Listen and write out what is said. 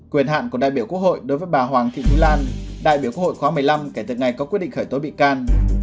quyền hạn của đại biểu quốc hội đối với bà hoàng thị thúy lan đại biểu quốc hội khóa một mươi năm kể từ ngày có quyết định khởi tố bị can